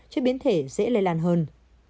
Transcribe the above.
cho biến thể dễ lây lan hơn